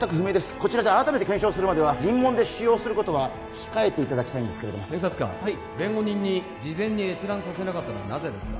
こちらで改めて検証するまでは尋問で使用することは控えていただきたいんですが検察官弁護人に事前に閲覧させなかったのはなぜですか？